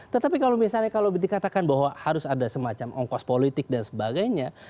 tetapi kalau misalnya kalau dikatakan bahwa harus ada semacam ongkos politik dan sebagainya